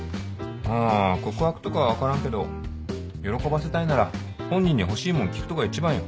まあ告白とかは分からんけど喜ばせたいなら本人に欲しい物聞くとが一番よ。